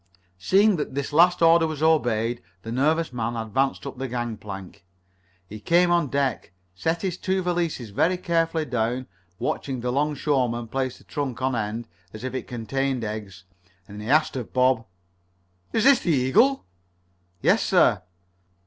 Seeing that this last order was obeyed, the nervous man advanced up the gangplank. He came on deck, set his two valises very carefully down, watched the 'longshoreman place the trunk on end, as if it contained eggs, and then he asked of Bob: "Is this ship the Eagle?" "Yes, sir."